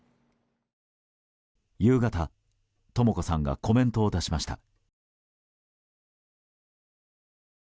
夕方、とも子さんがコメントを出しました。